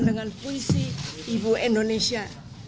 dengan puisi ibu indonesia